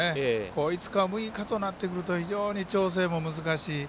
５日、６日となってくると非常に調整も難しい。